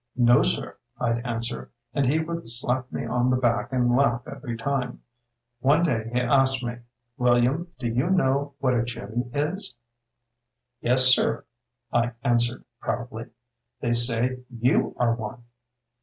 'No, Sir,' I'd answer, and he would slap me on the back and laugh every time. One day he asked me, 'William do you know what a jinnee is?' '"Yes, Sir,' 4 answered proudly; 'they say you are one.'